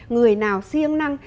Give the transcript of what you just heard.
người nào siêng năng